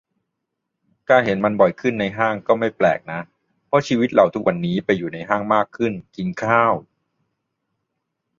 การเห็นมันบ่อยขึ้นในห้างก็ "ไม่แปลก" นะ เพราะชีวิตเราทุกวันนี้ไปอยู่ในห้างมากขึ้น กินข้าว